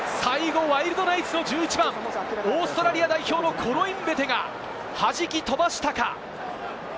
ワイルドナイツの１１番、オーストラリア代表のコロインベテが弾き飛ばしたか？